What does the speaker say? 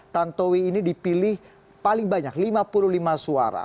tantowi ini dipilih paling banyak lima puluh lima suara